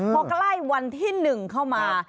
พอใกล้วันที่๑เข้ามา